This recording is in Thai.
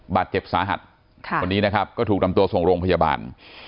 บาดเจ็บสาหัสคนนี้นะครับก็ถูกนำตัวส่งโรงพยาบาล